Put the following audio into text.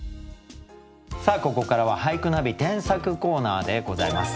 ここからは「俳句ナビ添削コーナー」でございます。